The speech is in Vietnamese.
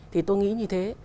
thì tôi nghĩ như thế